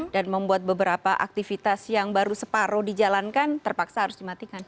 dan membuat beberapa aktivitas yang baru separuh dijalankan terpaksa harus dimatikan